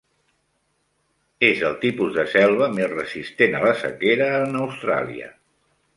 És el tipus de selva més resistent a la sequera en Austràlia.